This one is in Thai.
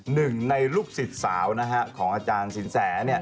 หนึ่งในลูกศิษย์สาวของอาจารย์สินแส